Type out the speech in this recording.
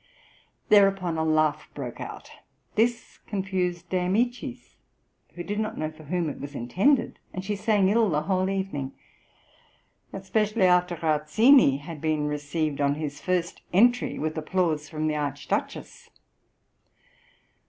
Thereupon a laugh broke out; this confused De Amicis, who did not know for whom it was intended, and she sang ill the whole evening, especially after Rauzzini had been received on his first entry with applause from the Archduchess.